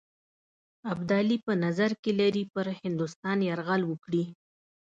ابدالي په نظر کې لري پر هندوستان یرغل وکړي.